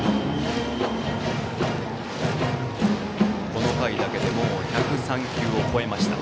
この回だけでもう１０３球を超えました。